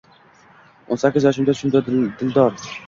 O’n sakkiz yoshimda tushimda dildor